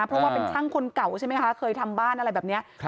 เพราะว่าเป็นช่างคนเก่าใช่ไหมคะเคยทำบ้านอะไรแบบนี้